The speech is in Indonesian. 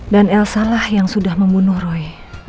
dan elsa lah yang sudah membunuh roy